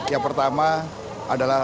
yang pertama adalah